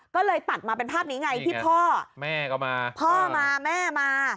ก็เลยตัดมาเป็นภาพนี้ไงที่พ่อแม่ก็มาพ่อมาแม่มา